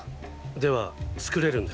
では作れるんですね？